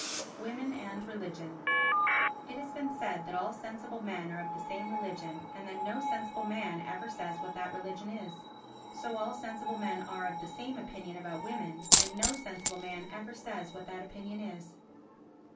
Women and Religion It has been said that all sensible men are of the same religion and that no sensible man ever says what that religion is. So all sensible men are of the same opinion about women and no sensible man ever says what that opinion is.